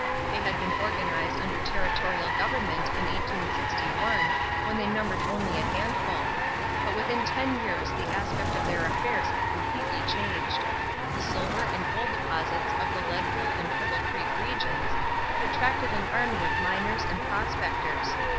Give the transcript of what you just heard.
They had been organized under territorial government in 1861 when they numbered only a handful; but within ten years the aspect of their affairs had completely changed. The silver and gold deposits of the Leadville and Cripple Creek regions had attracted an army of miners and prospectors.